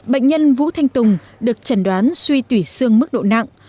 bệnh nhân vũ thanh tùng được chẩn đoán suy tủy xương mức độ nặng